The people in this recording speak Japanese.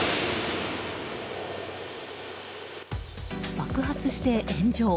爆発して、炎上。